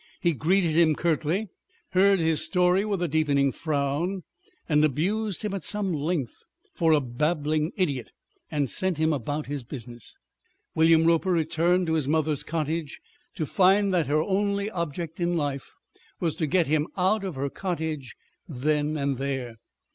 He greeted him curtly, heard his story with a deepening frown, and abused him at some length for a babbling idiot, and sent him about his business. William Roper returned to his mother's cottage to find that her only object in life was to get him out of her cottage then and there.